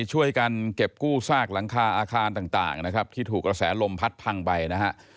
ช่วยกันเก็บกู้ซากหลังคาอาคารต่างนะครับที่ถูกกระแสลมพัดพังไปนะฮะ